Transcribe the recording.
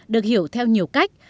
được hiểu theo nhiều cách